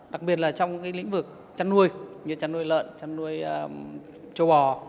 đặc biệt là trong lĩnh vực chăn nuôi như chăn nuôi lợn chăn nuôi châu bò